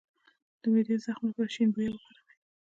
د معدې د زخم لپاره شیرین بویه وکاروئ